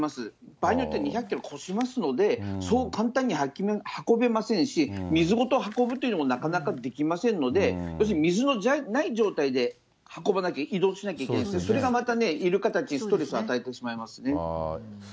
場合によっては、２００キロ超しますので、そう簡単に運べませんし、水ごと運ぶというのも、なかなかできませんので、要するに、水のない状態で運ばなきゃ、移動しなきゃいけないので、それがまたね、イルカたちにストレスを与えてしまいますね。